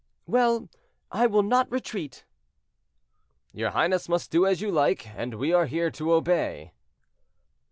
"Well, I will not retreat." "Your highness must do as you like; and we are here to obey."